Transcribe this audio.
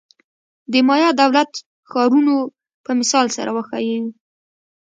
د مایا دولت-ښارونو په مثال سره وښیو.